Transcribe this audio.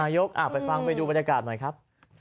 ยกไปฟังไปดูบรรยากาศหน่อยครับ